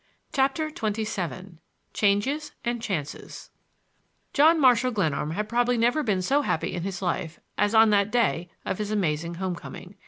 CHAPTER XXVII CHANGES AND CHANCES John Marshall Glenarm had probably never been so happy in his life as on that day of his amazing home coming.